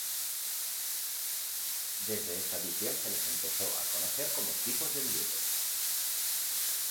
Desde esta edición se les empezó a conocer como Tipos de Billete.